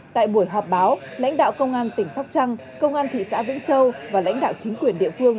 tại buổi họp báo lãnh đạo công an tỉnh sóc trăng công an thị xã vĩnh châu và lãnh đạo chính quyền địa phương